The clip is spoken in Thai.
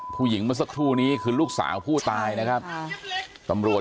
แค้นเหล็กเอาไว้บอกว่ากะจะฟาดลูกชายให้ตายเลยนะ